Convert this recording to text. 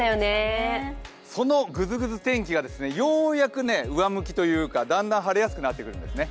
そのグズグズ天気がようやく上向きというかだんだん晴れやすくなってくるんですね。